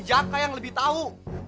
jaka yang lebih tahu